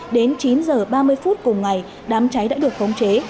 đến chín h ba mươi phút cùng ngày đám cháy đã được khống chế